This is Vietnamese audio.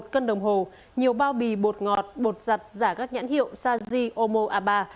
một cân đồng hồ nhiều bao bì bột ngọt bột giặt giả các nhãn hiệu sazhi omo abba